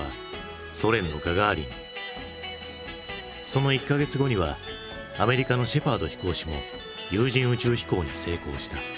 その１か月後にはアメリカのシェパード飛行士も有人宇宙飛行に成功した。